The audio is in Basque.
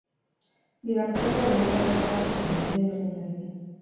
Bigarren zatia lehenengoa bezala hasi zen, gidoi berdinarekin.